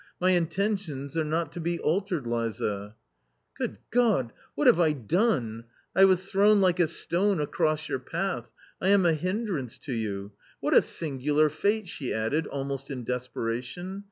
" My intentions are not to be altered, Liza !"" Good God ! what have I done ! I was thrown like a stone across your path, I am a hindrance to you. What a singular fate !" she added, almost in desperation.